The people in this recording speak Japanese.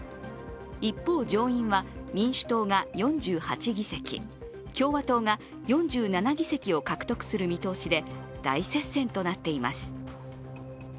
一方、上院は民主党が４８議席、共和党が４７議席を獲得する見通しで大接戦となっています。